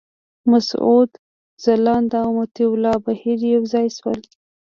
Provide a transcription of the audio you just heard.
مسعود ځلاند او مطیع الله بهیر یو ځای شول.